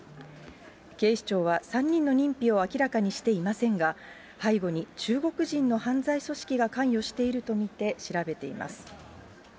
警視庁は３人の認否を明らかにしていませんが、背後に中国人の犯罪組織が関与していると見て、調べています。